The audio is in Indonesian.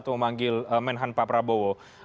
memanggil menhan paprabowo